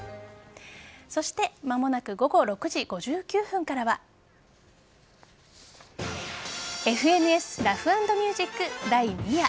そして間もなく午後６時５９分からは「ＦＮＳラフ＆ミュージック」第２夜。